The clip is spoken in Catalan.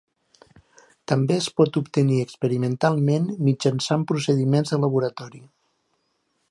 També es pot obtenir experimentalment mitjançant procediments de laboratori.